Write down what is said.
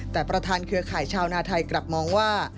แต่ประธานเครือข่ายชาวนาไทยกลับมองว่า